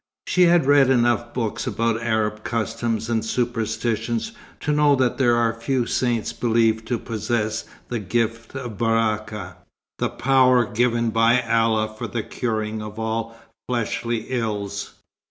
She had read enough books about Arab customs and superstitions to know that there are few saints believed to possess the gift of Baraka, the power given by Allah for the curing of all fleshly ills.